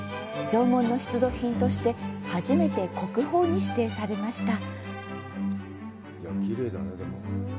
縄文の出土品として初めて国宝に指定されました。